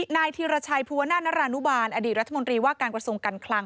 นายธีรชัยภูวนาศนรานุบาลอดีตรัฐมนตรีว่าการกระทรวงการคลัง